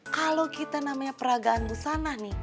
kalau kita namanya peragaan busana nih